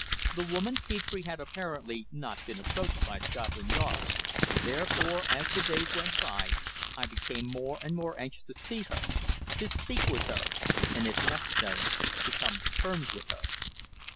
The woman Petre had apparently not been approached by Scotland Yard, therefore as the days went by I became more and more anxious to see her, to speak with her and, if necessary, to come to terms with her.